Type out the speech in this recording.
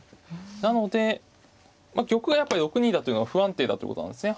なので玉がやっぱり６二だというのは不安定だってことなんですね。